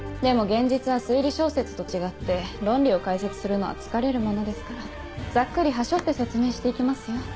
現実は推理小説と違って論理を解説するのは疲れるものですからざっくりはしょって説明して行きますよ。